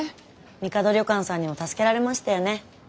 みかど旅館さんにも助けられましたよね。